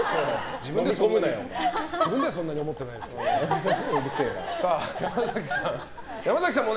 自分ではそんなに思ってないですけどね。